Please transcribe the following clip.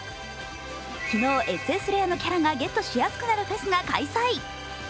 昨日、ＳＳレアのキャラがゲットしやすくなるフェスが開催。